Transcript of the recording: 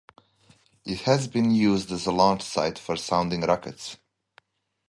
It has been used as a launch site for sounding rockets.